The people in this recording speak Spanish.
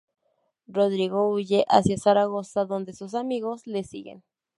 Rodrigo huye hacia Zaragoza donde sus amigos le siguen.